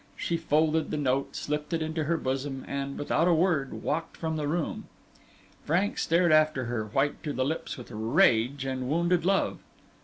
She folded the note, slipped it into her bosom, and, without a word, walked from the room. Frank stared after her, white to the lips with rage and wounded love.